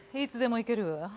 いつでもいけるわ。